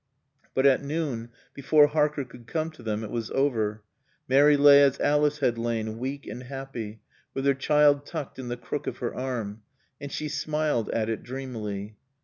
But at noon, before Harker could come to them, it was over. Mary lay as Alice had lain, weak and happy, with her child tucked in the crook of her arm. And she smiled at it dreamily.